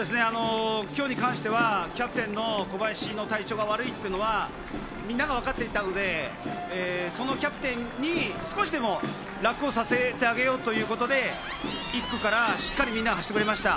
今日に関してはキャプテンの小林の体調が悪いというのはみんながわかっていたので、そのキャプテンに少しでも楽をさせてあげようということで、１区からしっかりみんなが走ってくれました。